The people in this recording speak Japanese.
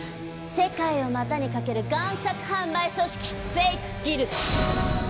世界を股にかける贋作販売組織フェイク・ギルド！